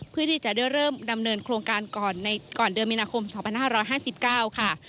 เพื่อที่จะได้เริ่มดำเนินโครงการก่อนเดือนมีนาคม๒๕๕๙ค่ะ